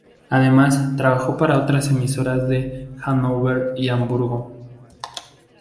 Además, trabajó para otras emisoras de Hannover y Hamburgo.